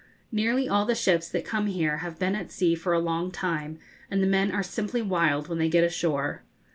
Nearly all the ships that come here have been at sea for a long time, and the men are simply wild when they get ashore.